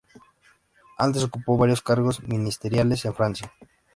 Antes ocupó varios cargos ministeriales en Francia.